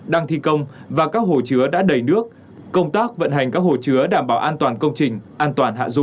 đang thi công và các hồ chứa đã đầy nước công tác vận hành các hồ chứa đảm bảo an toàn công trình an toàn hạ du